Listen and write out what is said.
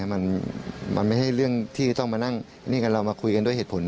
มันไม่ใช่เรื่องที่ต้องมานั่งนี่กันเรามาคุยกันด้วยเหตุผล